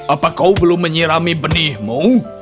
apa kau belum menyirami benihmu